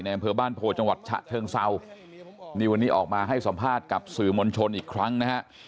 อำเภอบ้านโพจังหวัดฉะเชิงเศร้านี่วันนี้ออกมาให้สัมภาษณ์กับสื่อมวลชนอีกครั้งนะฮะ